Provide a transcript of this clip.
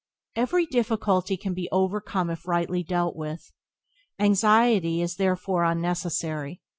Every difficulty can be overcome if rightly dealt with; anxiety is, therefore, unnecessary.